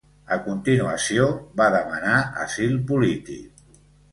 A continuació va demanar asil polític.